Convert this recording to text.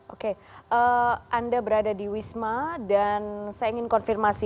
oke anda berada di wisma dan saya ingin konfirmasi